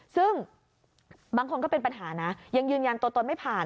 ซึ่งบางคนก็เป็นปัญหานะยังยืนยันตัวตนไม่ผ่าน